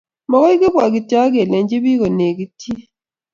magoy kibwa kityo ak kelechi piik konegitchi